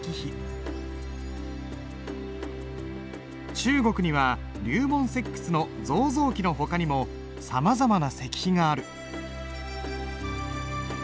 中国には龍門石窟の造像記のほかにもさまざまな石碑がある。